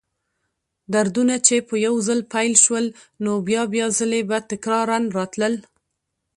دردونه چې به یو ځل پیل شول، نو بیا بیا ځلې به تکراراً راتلل.